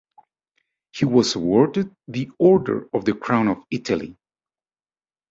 He was awarded the Order of the Crown of Italy.